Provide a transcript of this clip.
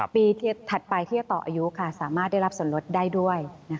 ถัดไปที่จะต่ออายุสามารถได้รับส่วนลดได้ด้วย